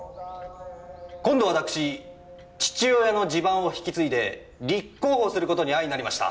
今度わたくし父親の地盤を引き継いで立候補する事に相成りました。